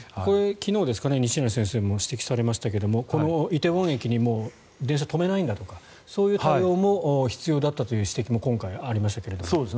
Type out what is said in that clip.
昨日ですか西成先生も指摘されましたがこの梨泰院駅に電車を止めないんだとかそういう対応も必要だったという指摘も今回、ありましたが。